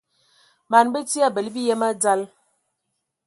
Man bəti abələ biyəm a dzal.